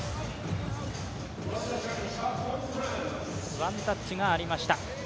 ワンタッチがありました。